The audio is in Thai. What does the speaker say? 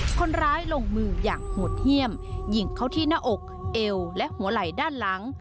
คนร้ายลงมืออย่างโหดเยี่ยมยิงเข้าที่หน้าอกเอวและหัวไหล่ด้านหลัง